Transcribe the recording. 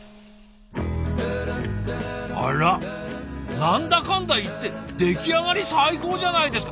あらなんだかんだ言って出来上がり最高じゃないですか。